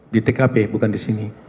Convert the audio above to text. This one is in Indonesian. di tkp bukan disini